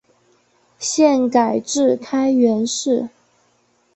现改置开原市。